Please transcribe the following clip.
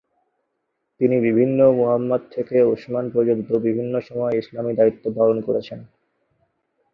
তিনি বিভিন্ন মুহাম্মাদ থেকে উসমান পর্যন্ত বিভিন্ন সময়ে ইসলামী দায়িত্ব পালন করেছেন।